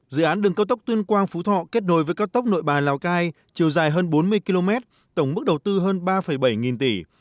dự án đường cao tốc tuyên quang phú thọ kết nối với cao tốc nội bài lào cai chiều dài hơn bốn mươi km tổng mức đầu tư hơn ba bảy nghìn tỷ